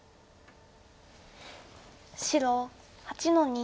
白８の二。